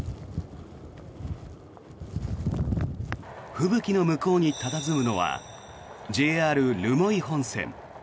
吹雪の向こうに佇むのはＪＲ留萌本線。